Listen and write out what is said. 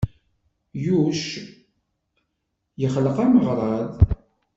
Yuc yexleq ameɣrad.